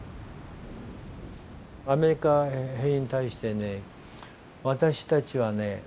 アメリカ兵に対して私たちはね